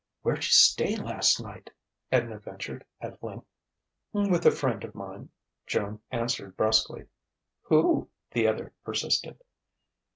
"Where'd you stay last night?" Edna ventured, at length. "With a friend of mine," Joan answered brusquely. "Who?" the other persisted.